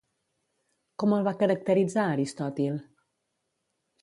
Com el va caracteritzar Aristòtil?